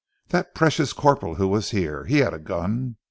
That precious corporal who was here; he had a gun!